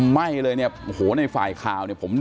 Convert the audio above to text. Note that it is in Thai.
ไม่เลยเนี่ยโหในไฟล์คาวเนี่ย